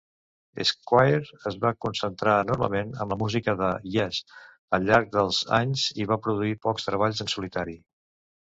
Squire es va concentrar enormement en la música de Yes' al llarg dels anys i va produir pocs treballs en solitari.